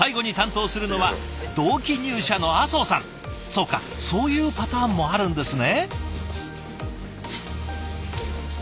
そうかそういうパターンもあるんですね。